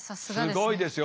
すごいですよ。